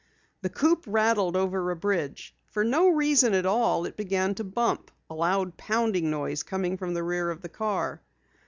The coupe rattled over a bridge. For no reason at all it began to bump, a loud pounding noise coming from the rear of the car.